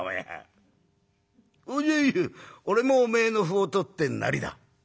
じゃあいい俺もおめえの歩を取って成りだ」。